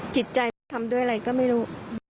จิตใจแม่ทำด้วยอะไรก็ไม่รู้